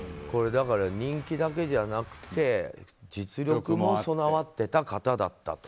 人気だけじゃなくて実力も備わってた方だったと。